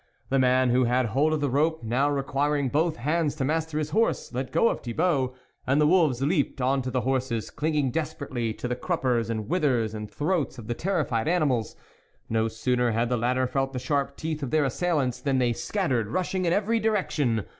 The man who had hold of the rope, now requiring both hands to master his horse, let go of Thibault ; and the wolves leaped on to the horses, cling ing desperately to the cruppers and withers and throats of the terrified animals. No sooner had the latter felt the sharp teeth of their assailants, than they scattered, rushing in every direction.